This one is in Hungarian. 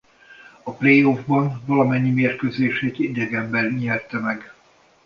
A playoffban a valamennyi mérkőzését idegenben nyerte meg.